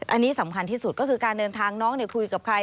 อันนี้สำคัญที่สุดก็คือการเดินทางน้องคุยกับใคร